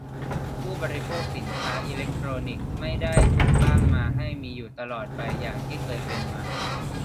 ผู้บริโภคสินค้าอิเลคโทรนิกส์ไม่ได้ถูกสร้างมาให้มีอยู่ตลอดไปอย่างที่เคยเป็นมา